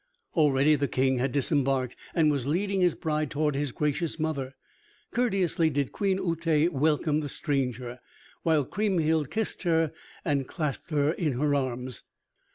Already the King had disembarked, and was leading his bride toward his gracious mother. Courteously did Queen Uté welcome the stranger, while Kriemhild kissed her and clasped her in her arms.